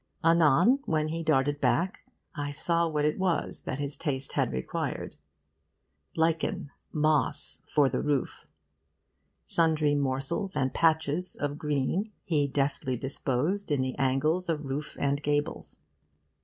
Anon, when he darted back, I saw what it was that his taste had required: lichen, moss, for the roof. Sundry morsels and patches of green he deftly disposed in the angles of roof and gables.